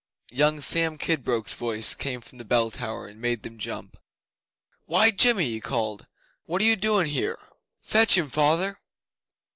Young Sam Kidbrooke's voice came from the bell tower and made them jump. 'Why, jimmy,' he called, 'what are you doin' here? Fetch him, Father!